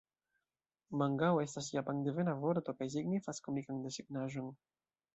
Mangao estas japandevana vorto kaj signifas komikan desegnaĵon.